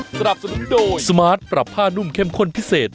สนับสนุนโดยสมาร์ทปรับผ้านุ่มเข้มข้นพิเศษ